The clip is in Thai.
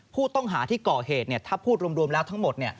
ผู้ต้องหาที่ก่อเหตุถ้าพูดรวมแล้วทั้งหมด